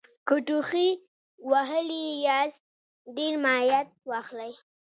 که ټوخي وهلي یاست ډېر مایعت واخلئ